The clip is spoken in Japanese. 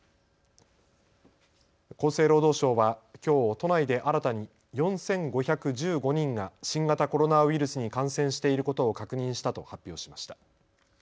厚生労働省はきょう都内で新たに４５１５人が新型コロナウイルスに感染していることを確認したと発表しました。